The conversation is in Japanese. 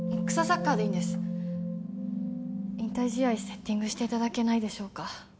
サッカーでいいんです引退試合セッティングしていただけないでしょうか